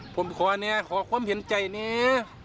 ผมขอเนี่ยขอความเห็นใจเนี่ย